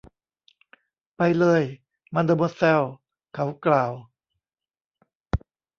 ไปเลยมาเดอโมแซล เขากล่าว